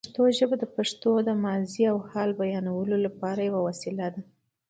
پښتو ژبه د پښتنو د ماضي او حال بیانولو لپاره یوه وسیله ده.